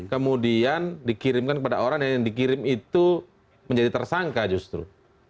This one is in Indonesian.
kemudian dikirimkan kepada orang yang dikirim itu menjadi tersangka justru